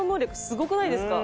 すごくないですか？